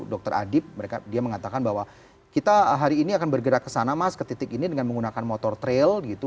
dr adib dia mengatakan bahwa kita hari ini akan bergerak ke sana mas ke titik ini dengan menggunakan motor trail gitu